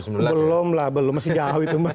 dua ribu sembilan belas belum lah belum masih jauh itu mas